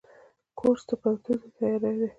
کورس د پوهنتون ته تیاری دی.